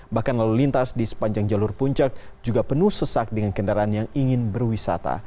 bahkan lalu lintas di sepanjang jalur puncak juga penuh sesak dengan kendaraan yang ingin berwisata